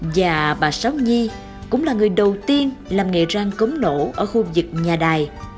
và bà sáu nhi cũng là người đầu tiên làm nghề rang cống nổ ở khu vực nhà đài